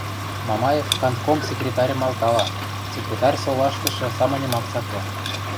Мамаев кантком секретарьым алтала, секретарь солаштышы самыньым ак цаклы.